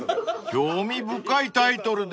［興味深いタイトルですね］